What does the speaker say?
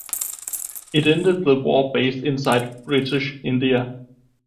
It ended the war based inside British India.